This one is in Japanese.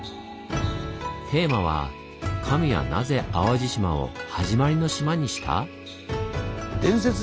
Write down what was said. テーマは「神はナゼ淡路島を“はじまりの島”にした⁉」。